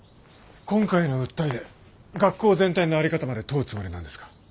今回の訴えで学校全体の在り方まで問うつもりなんですか？